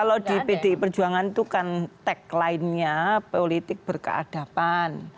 kalau di pdi perjuangan itu kan tagline nya politik berkeadapan